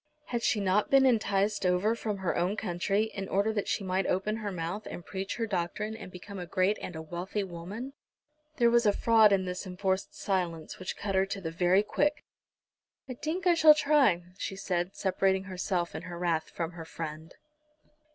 Had she not been enticed over from her own country in order that she might open her mouth, and preach her doctrine, and become a great and a wealthy woman? There was a fraud in this enforced silence which cut her to the very quick. "I tink I shall try," she said, separating herself in her wrath from her friend.